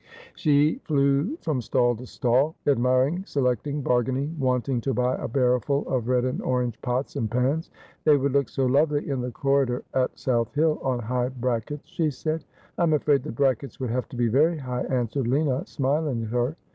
She flew from stall to stall, admiring, selecting, bargaining, wanting to buy a barrowful of red and orange pots and pans. ' They would look so lovely in the corridor at South Hill, on high brackets,' she said. ' I'm afraid the brackets would have to be very high,' answered Lina, smiling at her.